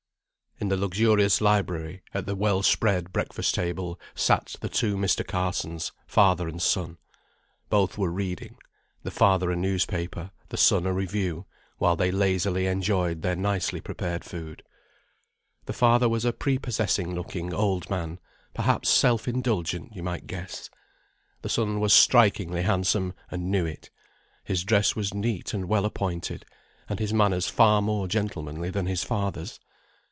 In the luxurious library, at the well spread breakfast table, sat the two Mr. Carsons, father and son. Both were reading; the father a newspaper, the son a review, while they lazily enjoyed their nicely prepared food. The father was a prepossessing looking old man; perhaps self indulgent you might guess. The son was strikingly handsome, and knew it. His dress was neat and well appointed, and his manners far more gentlemanly than his father's.